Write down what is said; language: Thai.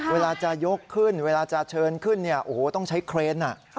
เวลาจะยกขึ้นเวลาจะเชิญขึ้นต้องใช้เครน